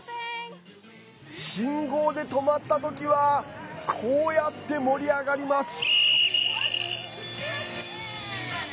信号で止まった時はこうやって盛り上がります。